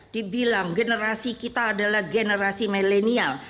dibilang generasi kita adalah generasi milenial